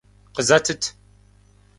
Къызэтыт!